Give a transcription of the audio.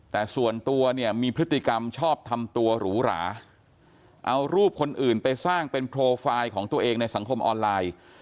แต่ส่วนตัวเนี่ยมีพฤติกรรมชอบทำตัวหรูหราเอารูปคนอื่นไปสร้างเป็นโปรไฟล์ของตัวเองในสังคมออนไลน์